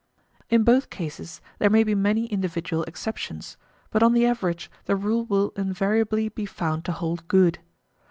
In both cases there may be many individual exceptions; but on the average the rule will invariably be found to hold good.